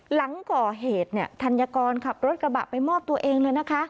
หลังก่อเหตุเนี่ยธัญกรขับรถกระบะไปมอบตัวเองเลยนะคะ